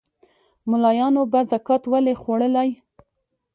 مُلایانو به زکات ولي خوړلای